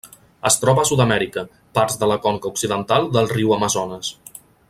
Es troba a Sud-amèrica: parts de la conca occidental del riu Amazones.